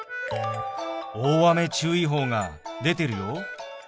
大雨注意報が出てるよ。